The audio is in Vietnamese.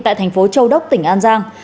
tại tp châu đốc tỉnh an giang